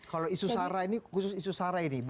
kalau isu sarah ini